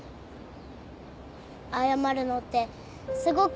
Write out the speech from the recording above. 謝るのってすごく怖いな。